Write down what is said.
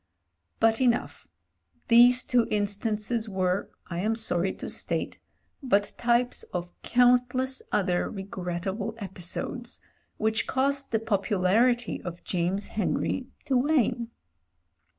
But enough : these two instances were, I am sorry to state, but types of cotmtless other regrettable epi sodes which caused the popularity of James Henry to wane.